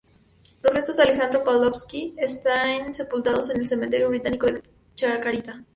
Los restos de Alejandro Pavlovsky están sepultados en el Cementerio Británico de Chacarita.